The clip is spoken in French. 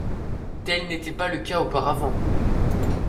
Tel n’était pas le cas auparavant.